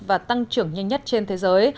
và tăng trưởng nhanh nhất trên thế giới